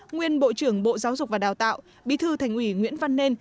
nguyên bộ trưởng bộ giáo dục và đào tạo bí thư thành ủy nguyễn văn nên